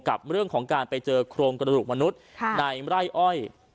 กับเรื่องของการไปเจอโครงกระดูกมนุษย์ในไร่อ้อย